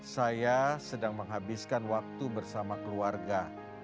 saya sedang menghabiskan waktu bersama keluarga